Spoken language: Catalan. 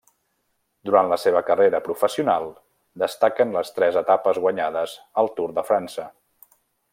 Durant la seva carrera professional destaquen les tres etapes guanyades al Tour de França.